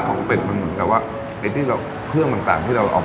เกิดหาวัตถุดิบที่ครับ